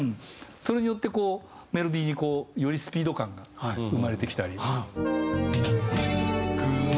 それによってこうメロディーによりスピード感が生まれてきたり。